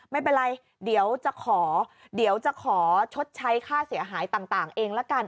ไม่เป็นไรเดี๋ยวจะขอชดใช้ข้าเสียหายต่างเองละกัน